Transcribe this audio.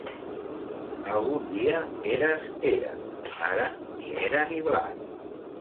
Algun dia eres era; ara, ni era ni blat.